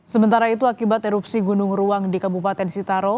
sementara itu akibat erupsi gunung ruang di kabupaten sitaro